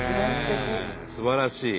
すばらしい！